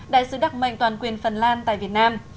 đại sứ đặc mệnh toàn quyền phần lan tại việt nam